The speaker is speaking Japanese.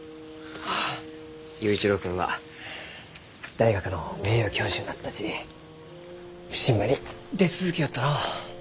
あ佑一郎君は大学の名誉教授になったち普請場に出続けよったのう。